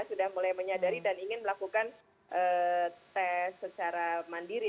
sudah mulai menyadari dan ingin melakukan tes secara mandiri